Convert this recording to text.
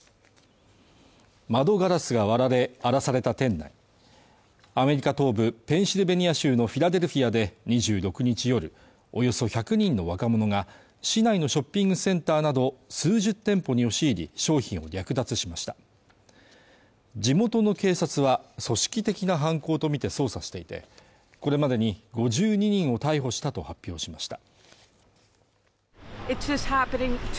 窓ガラスが割られ荒らされた店内アメリカ東部ペンシルベニア州のフィラデルフィアで２６日夜およそ１００人の若者が市内のショッピングセンターなど数十店舗に押し入り商品を略奪しました地元の警察は組織的な犯行とみて捜査していてこれまでに５２人を逮捕したと発表しました